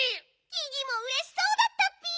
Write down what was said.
ギギもうれしそうだったッピ。